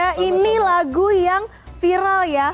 terima kasih ini lagu yang viral ya